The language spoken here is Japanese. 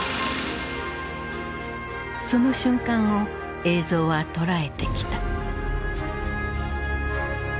その瞬間を映像は捉えてきた。